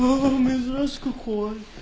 珍しく怖い。